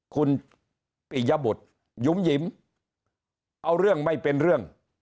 คุณปิยบุตรหยุมหยิมเอาเรื่องไม่เป็นเรื่อง